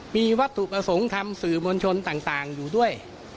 มีวัตถุประสงค์ทำสื่อมวลชนต่างอยู่ด้วย